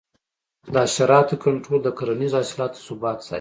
د حشراتو کنټرول د کرنیزو حاصلاتو ثبات ساتي.